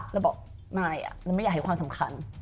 แล้วบอกนายอะเราไม่อยากให้ความสำคัญ